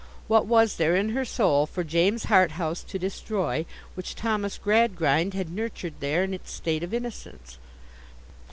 What was there in her soul for James Harthouse to destroy, which Thomas Gradgrind had nurtured there in its state of innocence!